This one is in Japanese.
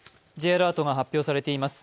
Ｊアラートが発表されています。